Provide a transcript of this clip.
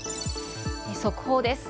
速報です。